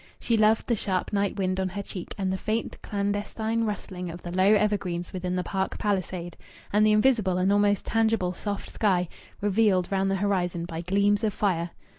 She loved the sharp night wind on her cheek, and the faint clandestine rustling of the low evergreens within the park palisade, and the invisible and almost tangible soft sky, revealed round the horizon by gleams of fire.